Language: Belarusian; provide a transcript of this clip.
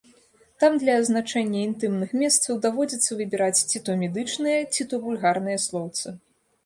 Там для азначэння інтымных месцаў даводзіцца выбіраць ці то медычнае, ці то вульгарнае слоўца.